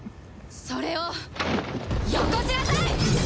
それを寄こしなさい！